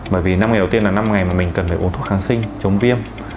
bởi vì năm ngày đầu tiên là năm ngày mà mình cần phải uống thuốc kháng sinh chống viêm